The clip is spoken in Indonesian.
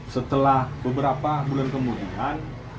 setelah beberapa bulan kemudian